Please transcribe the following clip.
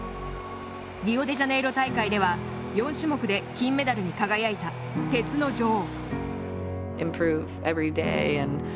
リオデジャネイロ大会では４種目で金メダルに輝いた鉄の女王。